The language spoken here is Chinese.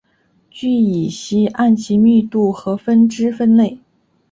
聚乙烯按其密度和分支分类。